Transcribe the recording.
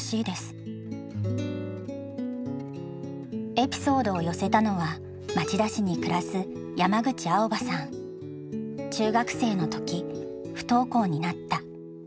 エピソードを寄せたのは町田市に暮らす中学生の時不登校になった。